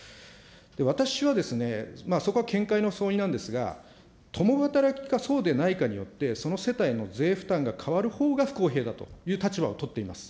私はですね、そこは見解の相違なんですが、共働きかそうでないかによって、その世帯の税負担が変わるほうが不公平だという立場を取っています。